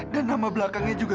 dan nama belakangnya juga